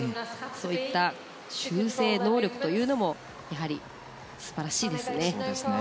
そういった修正能力というのも素晴らしいですね。